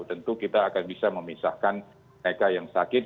tentu kita akan bisa memisahkan mereka yang sakit